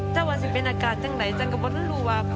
ถ้าว่าจะเป็นอากาศจังหลายจังก็บอกนั้นรู้ว่า